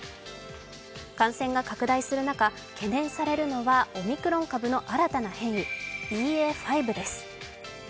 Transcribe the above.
感染が拡大する中、懸念されるのはオミクロン株の新たな変異ＢＡ．５です。